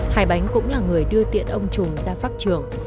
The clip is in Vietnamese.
hai bánh cũng là người đưa tiện ông trùng ra pháp trường